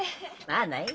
まあない。